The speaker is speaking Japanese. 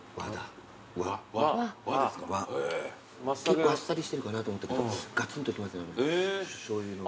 結構あっさりしてるかな？と思ったけどがつんときますねしょうゆの。